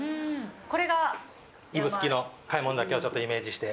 これが指宿の開聞岳をちょっとイメージして。